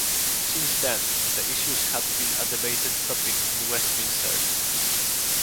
Since then, the issue had been a debated topic in Westminster.